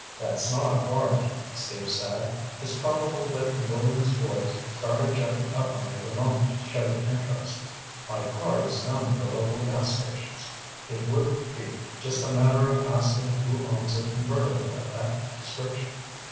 "That's not hard," Steve said. "It's probable that Camillion's boys started checking up on you the moment you showed interest. My car is known at the local gas stations. It would be just a matter of asking who owns a convertible of that description.